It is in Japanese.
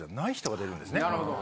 なるほど。